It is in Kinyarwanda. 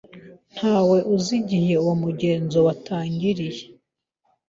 Ntawe uzi igihe uwo mugenzo watangiriye.